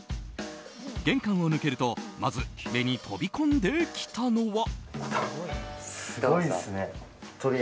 玄関を抜けるとまず目に飛び込んできたのは。